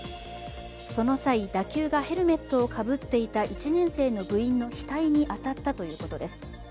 その際、打球がヘルメットをかぶっていた１年生の部員の額に当たったということです。